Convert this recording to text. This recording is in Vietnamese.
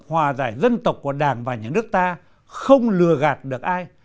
hòa giải dân tộc của đảng và nhà nước ta không lừa gạt được ai